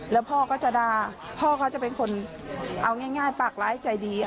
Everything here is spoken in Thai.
แล้วพ่อก็จะด่าพ่อเขาจะเป็นคนเอาง่ายปากร้ายใจดี